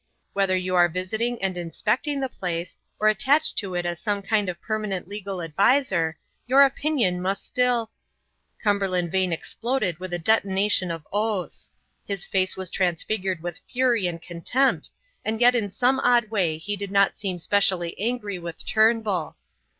Whether you are visiting and inspecting the place, or attached to it as some kind of permanent legal adviser, your opinion must still " Cumberland Vane exploded with a detonation of oaths; his face was transfigured with fury and contempt, and yet in some odd way he did not seem specially angry with Turnbull.